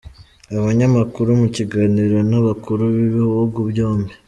Abanyamakuru mu kiganiro n’abakuru b’ibihugu byombi